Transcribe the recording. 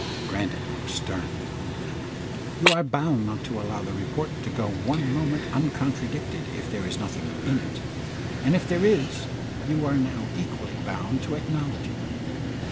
Grandon looked stern. "You are bound not to allow the report to go one moment uncontradicted if there is nothing in it; and if there is, you are now equally bound to acknowledge it."